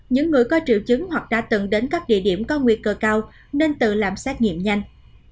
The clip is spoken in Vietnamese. những người có triệu chứng hoặc đã từng đến các địa điểm có nguy cơ cao nên tự làm xét nghiệm nhanh